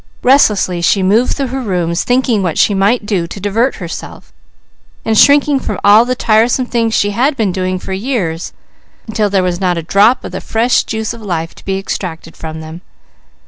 Restlessly she moved through her rooms thinking what she might do to divert herself, and shrinking from all the tiresome things she had been doing for years until there was not a drop of the fresh juice of life to be extracted from them.